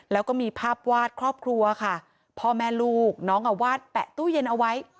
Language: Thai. แล้วก็มีภาพวาดครอบครัวค่ะพ่อแม่ลูกน้องเอาวาดแปะตู้เย็นเอาไว้